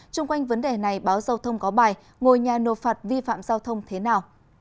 trung quanh vấn đề này báo giao thông có bài ngồi nhà nộp phạt vi phạm giao thông thế nào